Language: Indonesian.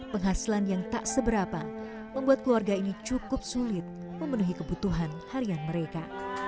penghasilan yang tak seberapa membuat keluarga ini cukup sulit memenuhi kebutuhan harian mereka